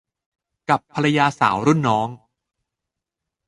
กับภรรยาสาวรุ่นน้อง